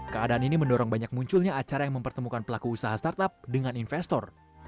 keadaan ini mendorong banyak munculnya acara yang mempertemukan pelaku usaha startup dengan investor